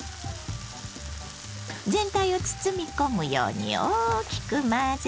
全体を包み込むように大きく混ぜます。